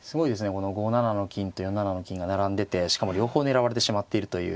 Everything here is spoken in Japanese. この５七の金と４七の金が並んでてしかも両方狙われてしまっているという。